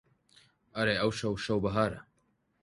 ئەرێ ئەوشەو شەو بەهارە